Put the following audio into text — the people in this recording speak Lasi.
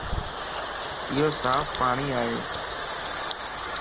ايو صاف پاڻي ائي